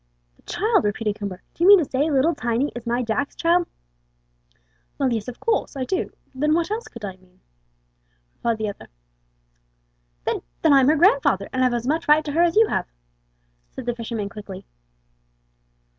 "The child," repeated Coomber. "Do you mean to say little Tiny is my Jack's child?" "Well, yes, of course I do. What else could I mean?" replied the other. "Then then I'm her grandfather, and have as much right to her as you have," said the fisherman, quickly.